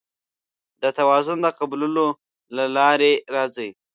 دا توازن د قبلولو له لارې راځي.